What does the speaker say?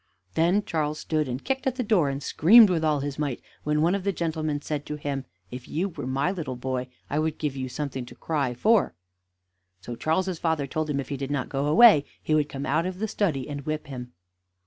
Then Charles stood and kicked at the door, and screamed with all his might, when one of the gentlemen said to him: "If you were my little boy, I would give you something to cry for." So Charles's father told him if he did not go away, he would come out of the study and whip him.